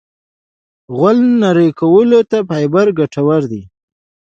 غول نرمولو ته فایبر ګټور دی.